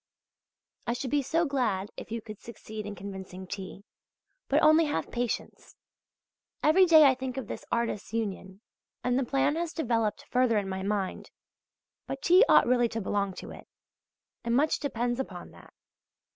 I should be so glad if you could succeed in convincing T.! But only have patience! Every day I think of this artists' union, and the plan has developed further in my mind; but T. ought really to belong to it, and much depends upon that.